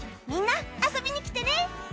みんな遊びに来てね！